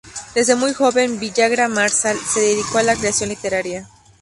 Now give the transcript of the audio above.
Desde muy joven, Villagra Marsal se dedicó a la creación literaria.